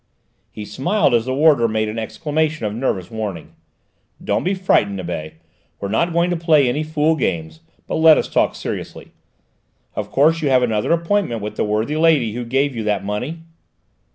He smiled as the warder made an exclamation of nervous warning. "Don't be frightened, Nibet. We're not going to play any fool games, but let us talk seriously. Of course you have another appointment with the worthy lady who gave you that money?"